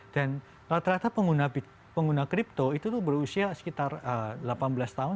dan ternyata pengguna crypto itu berusia sekitar delapan belas dua puluh lima tahun